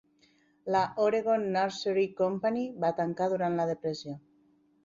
La Oregon Nursery Company va tancar durant la depressió.